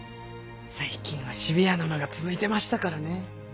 最近はシビアなのが続いてましたからね。